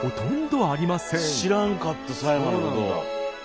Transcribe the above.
知らんかった狭山のぶどう。